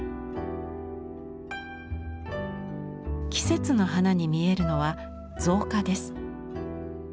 季節の花に見えるのは造花です。